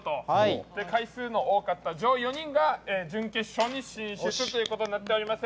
回数の多かった上位４人が準決勝に進出ということになっております。